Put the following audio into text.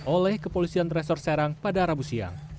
oleh kepolisian resor serang pada rabu siang